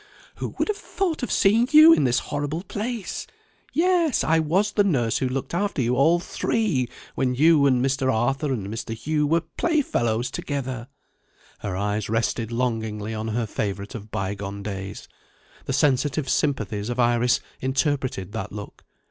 Who would have thought of seeing you in this horrible place? Yes; I was the nurse who looked after you all three when you and Mr. Arthur and Mr. Hugh were playfellows together." Her eyes rested longingly on her favourite of bygone days. The sensitive sympathies of Iris interpreted that look.